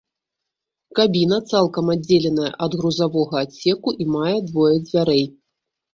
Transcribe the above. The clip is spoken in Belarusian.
Кабіна цалкам аддзеленая ад грузавога адсеку і мае двое дзвярэй.